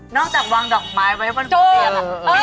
นอกจากวางดอกไม้ไว้ไว้ว่าสมภัย